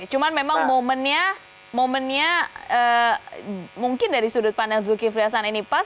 cuma memang momennya mungkin dari sudut pandang zulkifli hasan ini pas